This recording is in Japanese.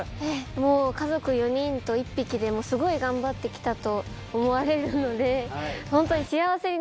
もう家族４人と１匹ですごい頑張ってきたと思われるのでホントに幸せですよ！